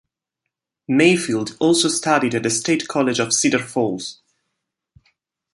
Mayfield also studied at the State College of Cedar Falls.